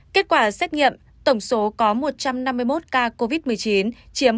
kết quả xét nghiệm tổng số có một trăm năm mươi một ca covid một mươi chín chiếm tám